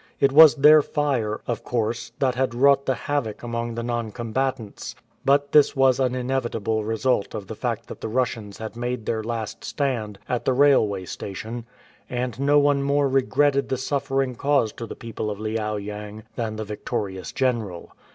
It was their fire, of course, that had wrought the havoc among the non combatants, but this was an inevitable result of the fact that the Russians had made their last stand at the rail way station, and no one more regretted the suffering caused to the people of Liao yang than the victorious general.